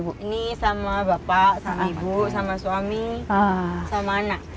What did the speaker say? bu ini sama bapak sama ibu sama suami sama anak